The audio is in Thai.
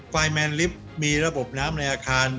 แมนลิฟต์มีระบบน้ำในอาคาร